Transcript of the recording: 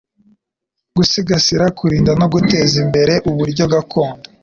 Gusigasira kurinda no guteza imbere uburyo gakondo